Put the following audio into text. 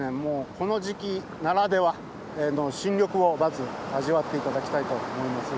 この時期ならではの新緑をまず味わって頂きたいと思います。